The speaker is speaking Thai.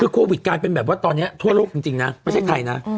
คือโควิดกลายเป็นแบบว่าตอนนี้ทั่วโลกจริงนะไม่ใช่ไทยนะ